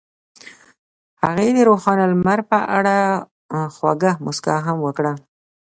هغې د روښانه لمر په اړه خوږه موسکا هم وکړه.